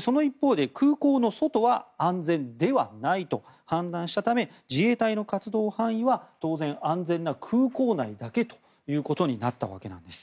その一方で、空港の外は安全ではないと判断したため自衛隊の活動範囲は当然、安全な空港内だけとなったわけなんです。